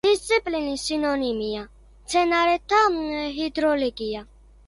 დისციპლინის სინონიმია: მდინარეთა ჰიდროლოგია.